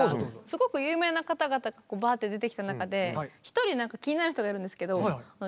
すごく有名な方々がバーッて出てきた中で１人気になる人がいるんですけどあ